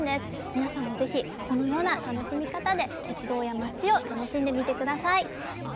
皆さんもぜひこのような楽しみ方で鉄道やまちを楽しんでみてください。